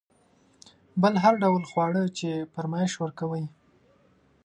بل هر ډول خواړه چې فرمایش ورکوئ.